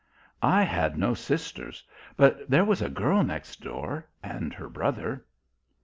"I had no sisters; but there was a girl next door and her brother."